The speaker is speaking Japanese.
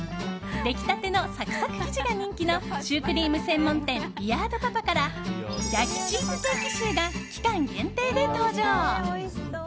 出来たてのサクサク生地が人気のシュークリーム専門店ビアードパパから焼きチーズケーキシューが期間限定で登場。